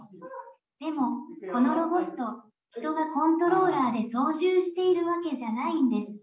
でもこのロボット人がコントローラーで操縦しているわけじゃないんです。